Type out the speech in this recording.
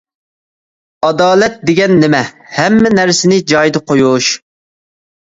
ئادالەت دېگەن نېمە؟ ھەممە نەرسىنى جايىدا قويۇش.